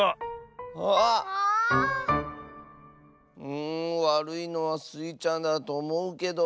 うんわるいのはスイちゃんだとおもうけど。